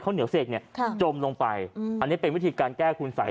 เหนียวเสกเนี่ยจมลงไปอันนี้เป็นวิธีการแก้คุณสัย